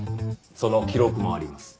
その記録もあります。